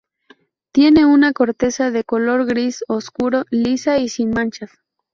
Tiene una corteza de color gris oscuro, lisa y sin manchas.